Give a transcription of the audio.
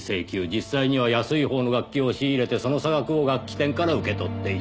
実際には安い方の楽器を仕入れてその差額を楽器店から受け取っていた。